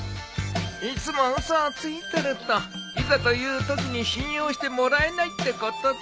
いつも嘘をついてるといざというときに信用してもらえないってことだな。